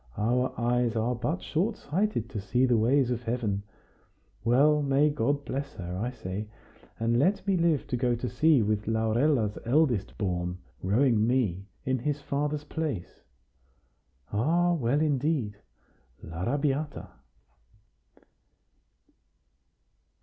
Our eyes are but short sighted to see the ways of Heaven! Well, may God bless her, I say, and let me live to go to sea with Laurella's eldest born, rowing me in his father's place! Ah! well, indeed! l'Arrabiata!"